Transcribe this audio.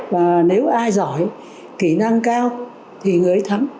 và nếu ai giỏi kỹ năng cao thì người ấy thấm